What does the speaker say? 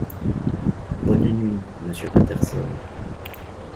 Bonne nuit, monsieur Patterson !